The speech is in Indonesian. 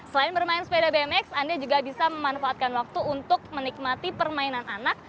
selain bermain sepeda bmx anda juga bisa memanfaatkan waktu untuk menikmati permainan anak